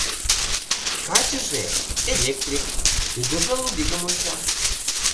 — Качыже — электрик, ӱдыржӧ лудигым онча.